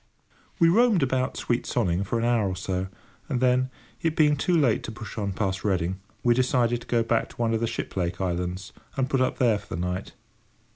We roamed about sweet Sonning for an hour or so, and then, it being too late to push on past Reading, we decided to go back to one of the Shiplake islands, and put up there for the night.